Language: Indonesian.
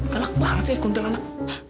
gelak banget sih kuntilanak